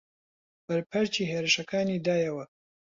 بەرپەرچی هێرشەکانی دایەوە